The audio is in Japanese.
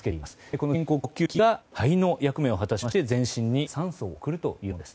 この人工呼吸器が肺の役目を果たしまして全身に酸素を送るというものです。